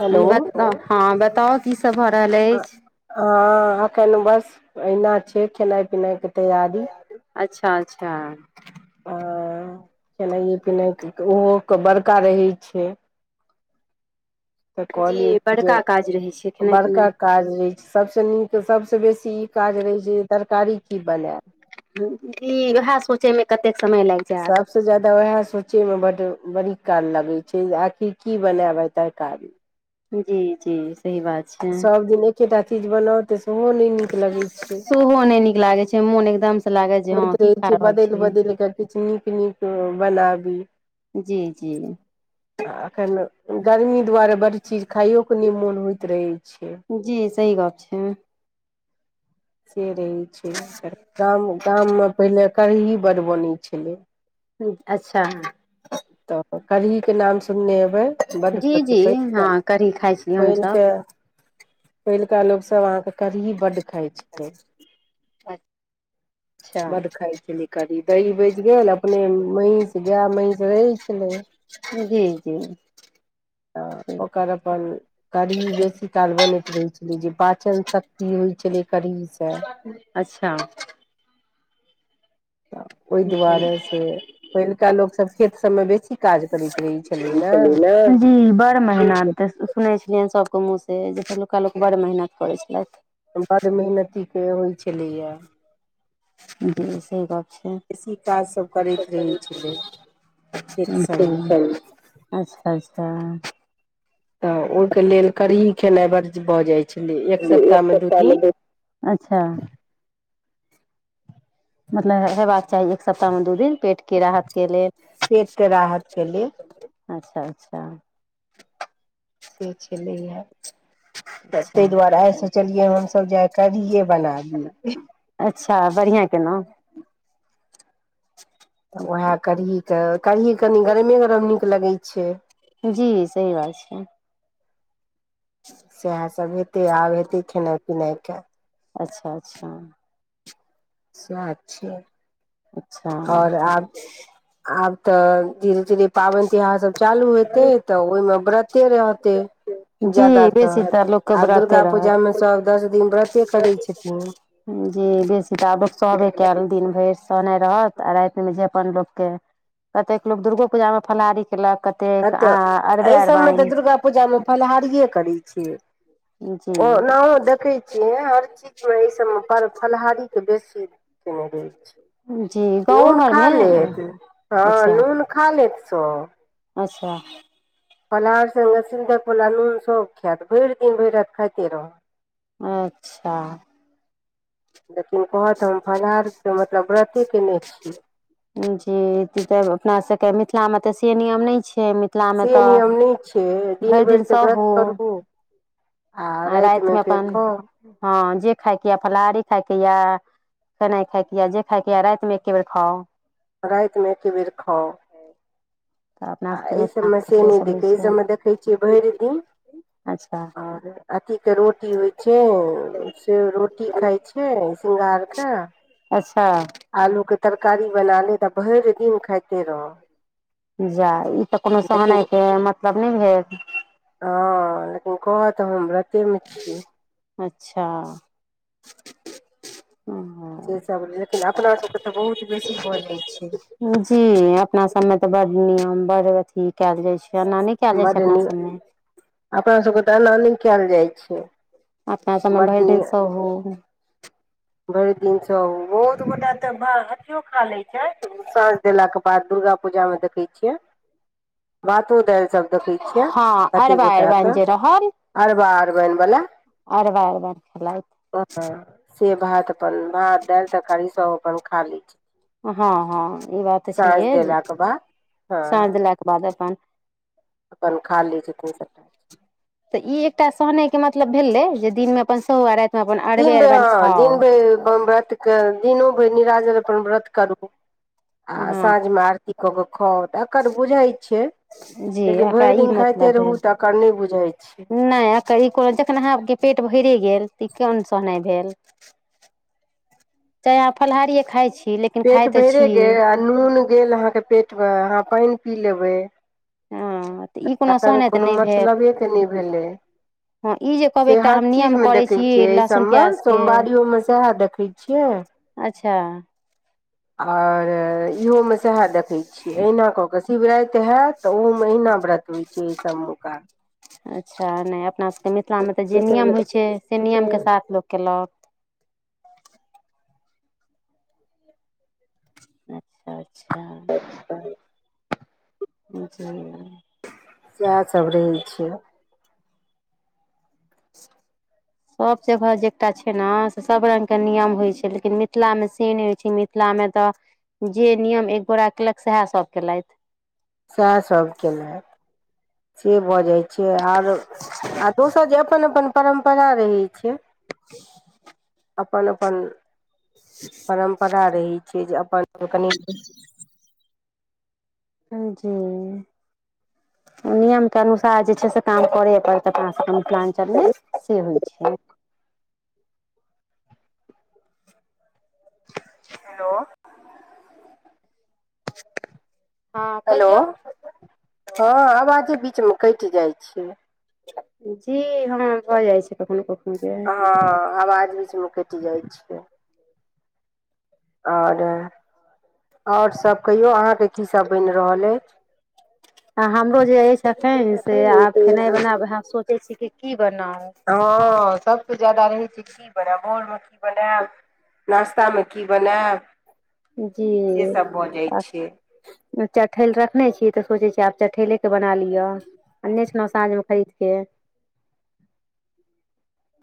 Hello हँ बताउ कीसभ भऽ रहल अइछ। हँ अखैन बस अहिना छैय खेनाइ पिनाइ के तैयारी। अच्छा- अच्छा। आ खेनाइए पिनाइके ओहो क बड़का रहै छैय त कहलियए जी जे बड़का काज रहै छै खेनाइ बड़का पिनाइ काज रहै छैय सभसँ नीक त सभसे बेसी त इ काज रहै छैय तरकारी की बनैब। दी वएहे सोचे मे कतेक समय लाइग सब सबसे जादा वएह सोचे मे बड बड़ी काल लगै छैय जे आखिर की बनैब आय तरकारी। जी-जी सही बात। छै सब दिन एकेटा चीज बनाउ त सेहो नै नीक लगै छैय। सेहो नहि नीक लागै छैय मोन एकदम- से लागत जे हँ होइत की रहै खा छैय रहल छी बदैल-बदैल कऽ किछ नीक-नीक बनाबी। जी-जी। आ अखैन गर्मी दुआरे बड चीज खाइयोके नै मोन होइत रहै छैय। जी सही गप छैय। से रहै छैय। गाम गाममे पहिनेे करही बड़ बनय छलै। अच्छा। त करहीके नाम सुनने हेबै बड्ड जी [inaudible] जी कऽ हँ कढ़ी खाइ छियै हमसभ। पहिलुका लोकसभ अहाँके कढ़ही बड्ड खाइ छलै। अच्छा बड खाय छेल ऐ। कनि दही बेच गेल, अपने महीस गे गे महीस रहै छलै ये। जी -जी त ओकर अपन कढ़ी बेसी काल बनैत रहै छलै, जे पाचन शक्ति होइत छलै कढ़ीस अच्छा ओहि दुआरे से, पहिलुका लोक सब, खेत सबमे बेसी काज करैत रहै छलै न। [unintelligible] बस बड़ मेहनत, सुनय छलियनि सबके मुँह स, जे पहिलुका लोक बड़ मेहनत करे छलथि। बड मेहनती के होय छलये। जी से बात छै बेसी काजसभ करैत रहै छलै खेत सभमे [unintelligible] अच्छा अच्छा तऽ ओहि के लेल कढही खेनाइ बड़ भऽ जाय छलै एक सप्ताह मे दू दिन अच्छा मतलब हेबाक चाही एक सप्ताहमे दू दिन पेट के राहत के लेल पेटके राहतके लेल अच्छा- अच्छा से छलय ये तऽ अच्छा ताहि दुआरे आइ सोचलियै, हमसभ जे आय कढीये बना ली। अच्छा बढ़िआँ केेलहु। तऽ उऐह कढ़ी के, कढ़ी कनी गरमे गरम नीक लगय छै। जी सही बात छै। सैह सभ हेतै, आब हेतै, खेनाइ पिनाइके अच्छा -अच्छा सेह छै। अच्छा और आब, आब तऽ धीरे -धीरे पाबनि तिहार सभ चालू हेतै, तऽ ओहि मे व्रते रहतै। जी ज्यादात, बेसी तऽ लोकके आब व्रते दुर्गा रहत पूजा मे सभ दस दिन व्रते करै छथिन। जी बेसी तऽ आब, लोक सहबे केल दिन भरि सहनाय रहत। राति मे जे अपन लोक के, कतेक लोक दुर्गो पूजा मे फलाहारी केलक क तेक आ अरबे अरबायन। पूजा मे फलाहारीये करै छिय। जी ओनाहो देखै छियै, हर चीज में एहि सबमें पर फलाहारी त बेसी केने रहे छै, जी गाँवो नुन खा घरमे लेत हंऽ अच्छा नुन खा लेत सब अच्छा फलाहार संगे सेंधप बला नून सेहो खैत, भरि दिन भरि राति खाइते रहत। अच्छा लेकिन कहत हम फलाहार के मतलब व्रते केने छी। जी ति धे अपना सबके मिथिला मे तऽ से नियम नहि छै। मिथ थला मे से तऽ नियम नहि छै भरि दिन तऽ व्रत सहुउ करू आ रातिमे अपन, हँ जे खायके या फलाहारी खायके या खेनाइ खायके ये जे खायके ये राति मे एके बेर खाउ। रातिमे एके बेर खाउ। तऽ अपना आ सबके एहि सबमे मिथिलामे से नहि सब होइ देखै अय छै सबमे देखै छियै भरि दिन अच्छा और अथी के रोटी होय छै, से रोटी खाय छै। नय सिंगार के अच्छा आलू के तरकारी बना लेतऽ आ भइर दिन खाइते रह जा ई तऽ कोनो लेकिन सहनायके मतलब नइ भेल हँ लेकिन कहत हम व्रतेमे छी अच्छा ओ सेसब लेकिन अपनासबके तऽ बहुत बेसी भ जाई छै जी अप अपना सबमे तऽ बड़ नियम बड़ अथी कयल जाय छै एना नय कयल जाय बड्ड छै अपना नीक सबमे अपना सबके तऽ ऐना नय केल जाइ छै अपना सब में बड्ड भइर दिन नीक सहु भरि दिन सहु बहुत गोटा तऽ भा अथियो खा लै छै साँझ देलाक के बाद दुर्गा पूजा में देखै छियै भातो दाइल सब देखै छियै कते गोटा के हम अरबा अरबइन वला अरबा अरबइन खेलाइत ओ से भात पर भात दाइल तरकारी सब अपन खा लै छै हँ हँ ई बात तऽ साँझ छहिए देलाके बाद हँ साँझ देलाके बाद अपन अपन खा लै छथिन सबटा तऽ ई एकटा सहने के मतलब भेलय जे दिन में अपन सहु आ राइत दिन बेर अं दिन भेर बम व्रत के दिनो क निराजन अपन व्रत करू आ हँ साँझ में आरती कऽ क ख तकर बुझाय छै जी लेकिन एकरा भइर ई दिन खाइते रहु तकर नहि बुझाय छै नय अकर ई कोनो जखन अहाँके पेट भइरे गेल तऽ ई कोन सहनाइ भेल चाहे अहा फलहारिए खाइ छी लेकिन पेट खाइ तऽ छी भइरे गेल आ नून गेल अहाँके पेट में अहाँ पइन पी लेबै हँ तऽ ई तखन सहनाइ तऽ कोनो नहि भेल मतलबे के नइ भेलै हँ ई जे कहबै से एकटा हर हम चीज नियम में करै देखैत छी छियै अइ लहसुन सबमे प्याजके सोमवारियोमे सएह देखै छियै अच्छा आऔर इहोमे सएह देखै छियै अहिना कऽ कऽ शिवराइत हैत तऽ ओहो महिना व्रत होइ छै एहि सब मुका अच्छा नइ अपनासबके मिथिला में तऽ जे बेटा नियम मे होइ छै से तऽ छै नियमके साथ लोक केलक अच्छा अच्छा [inaudible] जी इएहसब रहै छय सब जगह जे एकटा छै न से सब रंग के नियम होय छै लेकिन मिथिला मे से नइ होइ छै मिथिला में तऽ जे नियम एक गोरा केलक सएह सब केलइथ सएह सब केलथि से भ जाय छै छै आर आ दोसर जे अपन अपन परम्परा रहै छै [unintelligible] अपन अपन परम्परा रहै छै जे अपन अपन कनि हँ जी। नियम के अनुसार जे छै से काम करए पड़तै अपना सबके मिथिलाञ्चल में से होइ छै। हेलो। हँ हेलो कहियौ हँ अवाजे बीचमे कइट जाइ छै। जी हँ भऽ जाइ छै कखनो-कख हँ अवाज बीच में कइट जाइ छै। और और सब कहियौ अहाँके की सब बैन रहल अइछ? आ हमरो जे अइछ अखैन से आब खेनाई बनाब उहै सोचै छी कि की बनाउ। हँ सबसऽ ज्यादा रहै छै की बनैब भोर में की बनैब नाश्ता में की बनैब। जी आ छै चठैल रखने छी तऽ सोचै छियै आब चठैलेके बना लियअ। अन्ने छलौँ साँझमे खरीदके।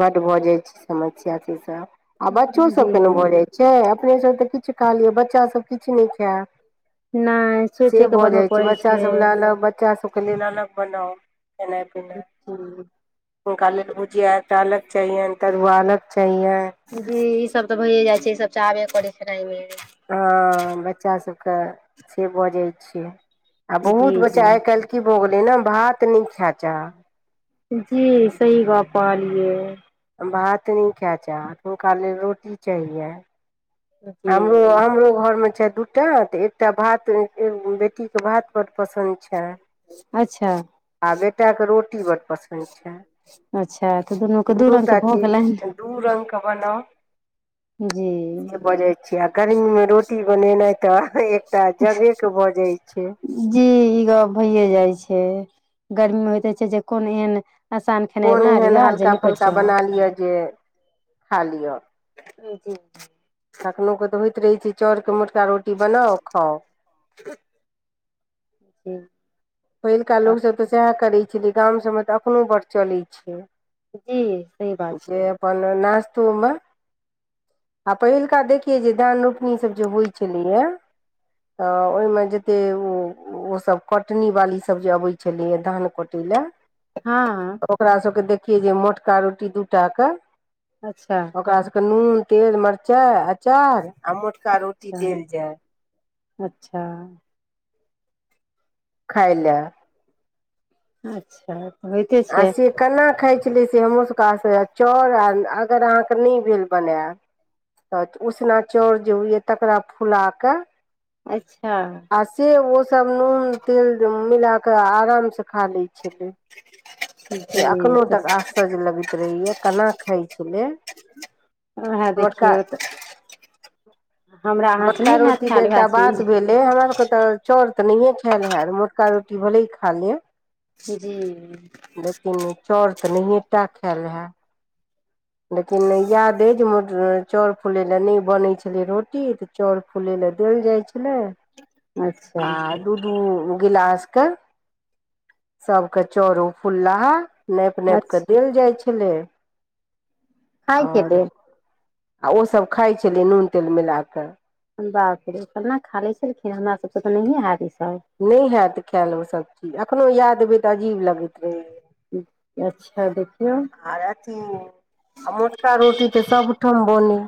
बड भऽ जाय छै समस्या से सब आ बच्चो जी सबके न भऽ जाय छै अपने सब तऽ किछ खा लियअ बच्चा सब किछ नैय खै नहि से सोचे के भऽ बनबऽ जाइ छै पड़ै बच्चा सब लए अलग बच्चा सबके लेल अलग बनाउ खेनाई-पिनाई जी हुनका लेल भुजिया एकटा अलग चाहियैन तरुआ अलग चाहियए। जी ई सब तऽ भइए जाइ छै ई सब चाहबे करै छै खेनाई में। हँ बच्चा सबकऽ से भऽ जाइ छै आ बहुत जी बच्चा जी आइ-काइल की भऽ गेलै न भात नैय खै चाहत। जी सही गप कहलियै। भात नैय खै चाहत हुनका लेल रोटी चाहियै। ह हमरो हमरो घरमे छै दू एकटा तऽ एकटा भात बेटीके भात बड पसन्द छैन अच्छा। आ बेटाके रोटी बड पसन्द छैन। अच्छा तऽ दुनू के दू रंग के भऽ गेलैन। चीज दू रंग कऽ बनाउ। जी। से भऽ जाय छी आ गर्मी में रोटी बनेनाइ तऽ एकटा जगे के भऽ जाय छै। जी ई गप भइए जाइ छै गर्मी में होइत रहै छै जे कोन एन कोन एहन हल्का-फल्का बना लियअ जे खा लियअ। ह जी। कखनो कऽ तऽ होइत रहै छै चौर कऽ मोटका रोटी बनाउ आ खाउ। [inaudible] हूं। पहिलका लोकसभ तऽ सैह करै छेलै गामसभमे तऽ अखनो बड चलै छै। जी सही बात जे छै। अपन नास्तूमं आ पहिलका देखियै जे धान रोपनी सब जे होइ छेलैयै तऽ ओयमे जत्ते उ ओ सब कट टनी बाली सब जे अबै छलैए धान कटै लए हाँ। ओकरा सबके देखियै जे मोटका रोटी दूई टा के अच्छा। ओकरा सबके नून, तेल, मरचाय, अचार आ मोटका रोटी अच्छा देल जाय अच्छा। खाय लै। अच्छाऽ होएते छै। कना खाए छलै से हमरो सबके आश्चर्य लागे चाउर आ अगर अहाँ केँ नै भेल बनाए तऽ उसना चाउर जे होय यै तकरा फुला कै अच्छा। आ से ओ सब नून-तेल मिला कै आराम से खा लै छलय। जी से अखनो तऽ तक आश्चर्य लगैत रहय यै केना खाय छलय। वैहय देखियौ तऽ हमरा अहाँसँ मोटका नहि हैत रोटी तै खायल एकटा उएह बात चीज भेल ए हमरा सबके ते चाउर तऽ नहिए खैल हेत मोटका रोटी भले ही खा लेब जी। लेकिन चाउर तऽ नहिएटा खैल हैत। लेकिन याद ए जे मोट चाउर फुलय लै नै बनय छलय रोटी त चौर फुलय लै देल जाए छलय अच्छा आ दू-दू गिलास के सबके चौर उ फुललाहा नैप-नैप कै अच्छा देल जाए छलय। खाए के लेल आ ओ सब खाए छलै नून-तेल मिलाए कै हां बाप रे कना खा लै छलखिन्ह हमरा सबसे तै नहियै हैत ई सब। नै हैत खैल ओ सब चीज एखनो याद एबै तऽ अजीब लगैत रहय अच्छा देखियौ। आर अथी आ मोटका रोटी तै सब ठाम बनय।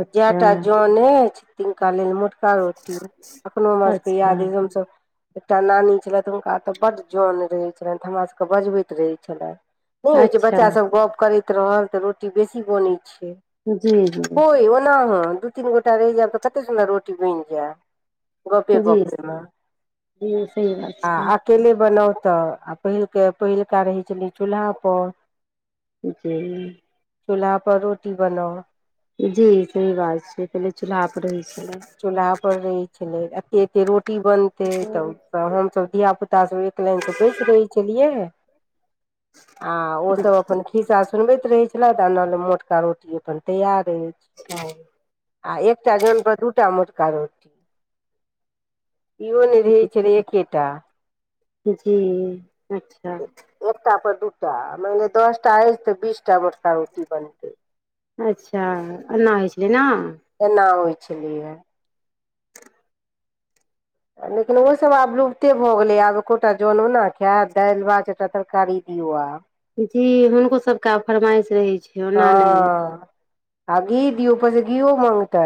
अच्छा जैटा जौन ऐछ तिनका लेल मोटका रोटी अखनो हमरा सबके अच्छा याद हम सब एकटा नानी छलैथ हुनका ऐता बड्ड जौन रहय छलैन तऽ हमरा सबके बजबैत रहय छलैए। नै होय छै अच्छा बच्चा सब गप करैत रहल तऽ रोटी बेसी बनय छै। जी जेबय ओय ओना अहां दूई तीन गोटा रह जैब तऽ कते सुंदर रोटी बैन जाए, जी गपे-गप पे मे जी सही बात आ छै अ केले बनाउ तऽ आ पहिलके पहिलका रहय छलै चूल्हा प जी। चूल्हा पर रोटी बनाउ। जी सही बात छै, पहिले चूल्हा पर रहय छलै। चूल्हा पर रहय छलै, एते-एते रोटी बनतै तब छलै तऽ हम सब धिय-पुता सब एक लाइन से बैस रहय छलियै हां ओ सब अपन खीसा सुनबैत रहय छलय ता ईम्हर मोटका रोटी अपन तैयार रहय छै। [unintelligible] आ एकटा जौन पर दुटा मोटका रोटी। इहो नै रहय छलय एकेटा जी अच्छा। एकटा पर दूटा मान ले दसटा एछ तऽ बीसटा मोटका रोटी बनतै। अच्छा एना होय छलै ना। एना होय छलैया। लेकिन ओ सब आब रूबते भऽ गेलै आब एकोटा जोनो ना खाएत दाएल, भात एकटा तरकारी दियौ आ जी हुनको सबके आब फरमाएश रहै छै। ओना नहि हां आ घी दियौ, ऊपर से घीयो मांगतै।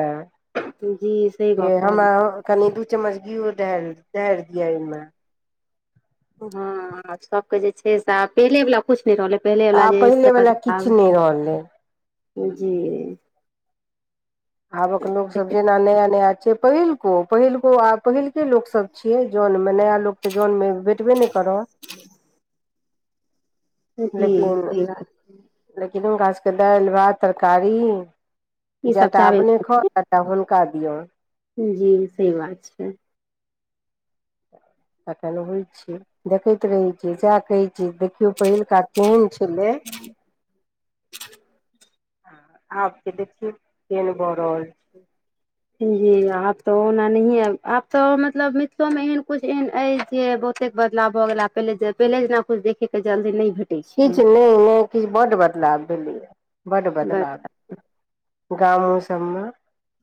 जी सही जे गप कहलियै हमरा अ कनि दू चम्मच घीयो ढार, ढार दियो ए मे। हां सबके जे छै सा पहिले वला कुछ नै रहलै, पहिले वला आब जे पहिले से वला बदलाव, किछु नहि रहलै जी। आबक लोग सब जेना नया-नया छै। पहिलको, पहिलको आ पहिलके लोक सब छिये जोन मे नया लोक तऽ जोन मे भेटबे नै करऽ। जी लेकिन, सही बात लेकिन हुनका सबके दाएल, भात, तरकारी ई सब जाएटा चाहबे अपने खौ, ताएटा हुनका दियौ। जी सही बात छै। तखन होय छै, देखैत रहै छियै साएह कहै जी देखियौ पहिलका केहेन छलै। हां आब के देखियो केहेन भऽ रहल छै। जी आब तऽ ओहना नहिये अब, आब तऽ मतलब मिथलो मे एहन कुछ एहन अय जे बहुते बदलाव भ गेला पहिले जे पहिले जेना कुछ देखे के जल्दी नै भे किछ नै, नै किछ बड बदलाव भेलैया, बड बस बदलाव। गामो सब मे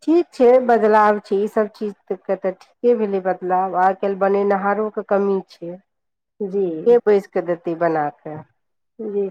ठीक छै, बदलाव छै ई सब चीज तऽ के त ठी के भेलै बदलाव आय-काएल बनैनहारोे के कमी छै। जी के बैस के देतै बना कऽ। जी।